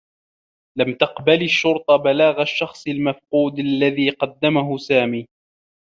لم تقبل الشّرطة بلاغ الشّخص المفقود الذي قدّمه سامي.